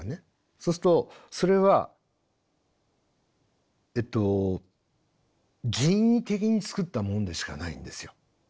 そうするとそれは人為的に作ったものでしかないんですよ。